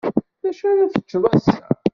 D acu ara teččeḍ ass-a?